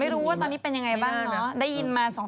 แต่ไม่รู้ว่าตอนนี้เป็นยังไงบ้างเนอะ